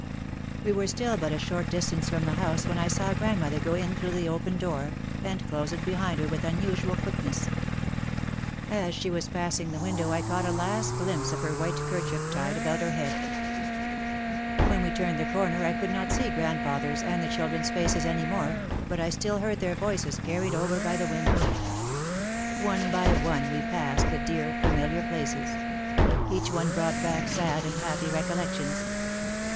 We were still but a short distance from the house when I saw grandmother go in through the open door, and close it behind her with unusual quickness. As she was passing the window I caught a last glimpse of her white kerchief tied about her head. When we turned the corner I could not see grand father's and the children's faces any more but I still heard their voices carried over by the wind. One by one we passed the dear familiar places. Each one brought back sad and happy recollections.